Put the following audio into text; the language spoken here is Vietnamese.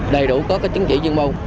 đầy đủ có chứng chỉ dân mâu